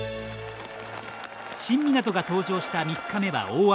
新湊が登場した３日目は大雨。